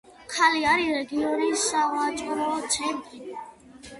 ქალაქი არის რეგიონის სავაჭრო ცენტრი.